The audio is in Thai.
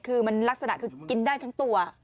คือมันลักษณะคือกินได้ทั้งตัว